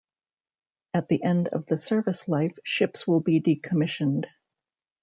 At the end of the service life, ships will be decommissioned.